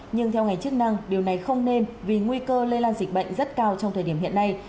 nhưng theo ngành chức năng điều này không nên vì nguy cơ lây lan dịch bệnh rất cao trong thời điểm hiện nay